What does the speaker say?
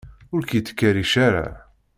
Ur k-yettkerric ara.